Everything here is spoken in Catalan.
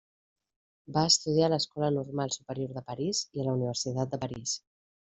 Va estudiar a l'Escola Normal Superior de París i a la Universitat de París.